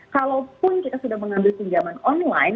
kalaupun kita sudah mengambil pinjaman online